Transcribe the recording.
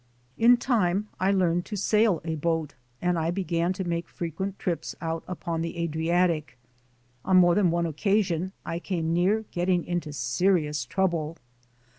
In time I learned to sail a boat and I began to make frequent trips out upon the Adriatic. On more than one occasion I came near getting into serious trouble.